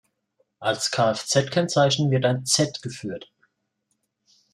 Als Kfz-Kennzeichen wird ein "Z" geführt.